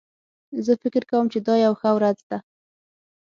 زه فکر کوم چې دا یو ښه ورځ ده